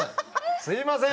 すみません。